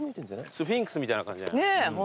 スフィンクスみたいな感じじゃない？